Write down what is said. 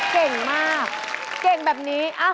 เก่งมากเก่งแบบนี้